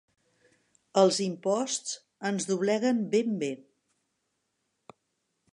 Els imposts ens dobleguen ben bé.